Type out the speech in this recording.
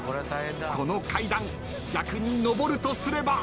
この階段逆に上るとすれば。